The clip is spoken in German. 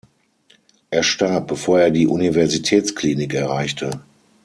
Er starb, bevor er die Universitätsklinik erreichte.